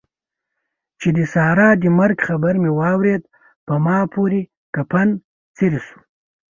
چې د سارا د مرګ خبر مې واورېد؛ په ما پورې کفن څيرې شو.